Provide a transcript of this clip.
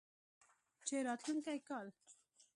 چې راتلونکی کال